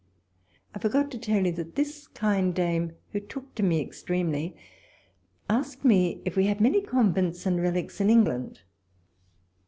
I forgot to tell you, that this kind dame, who took to me extremely, asked me if we had many convents and relics in England.